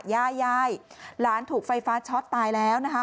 ย่ายายหลานถูกไฟฟ้าช็อตตายแล้วนะคะ